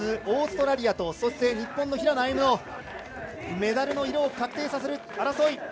オーストラリアとそして、日本の平野歩夢のメダルの色を確定させる争い。